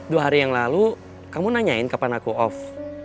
dua hari yang lalu kamu nanyain kapan aku off